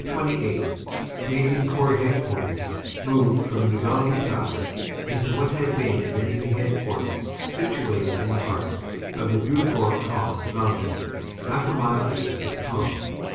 28 Canadian Corps Headquarters moved from Neuville Vitasse into what had been an enemy head quarters situated in the heart of the Drocourt Queant line half a mile east of Queant.